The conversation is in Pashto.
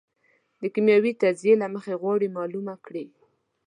د کېمیاوي تجزیې له مخې غواړي معلومه کړي.